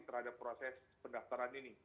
terhadap proses pendaftaran ini